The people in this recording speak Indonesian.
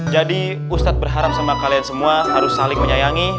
jadi ustadz berharam sama kalian semua harus saling menyayangi